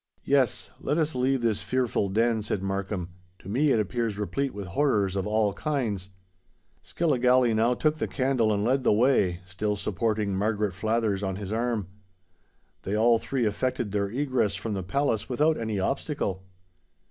"Yes—let us leave this fearful den," said Markham: "to me it appears replete with horrors of all kinds." Skilligalee now took the candle and led the way, still supporting Margaret Flathers on his arm. They all three effected their egress from the palace without any obstacle.